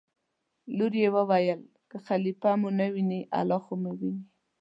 لور یې وویل: که خلیفه مو نه ویني الله خو مو ویني.